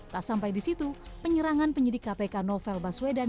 tak sampai di situ penyerangan penyidik kpk novel baswedan